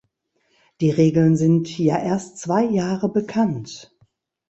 Die Regeln sind ja erst zwei Jahre bekannt.